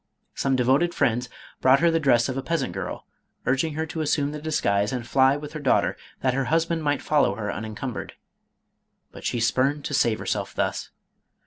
Some de voted friends brought her the dress of a peasant girl, urging her to assume the disguise and fly with her daughter, that her husband might follow her unencum bered. But she spurned to save herself thus.